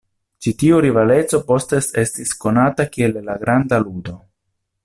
Ĉi tiu rivaleco poste estis konata kiel La Granda Ludo.